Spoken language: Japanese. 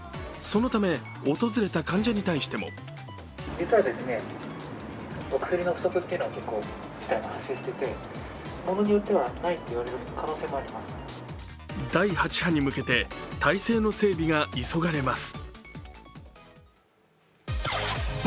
そのため訪れた患者に対しても第８波に向けて体制の整備が急がれます。